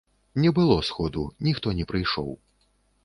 Не было сходу, ніхто не прыйшоў.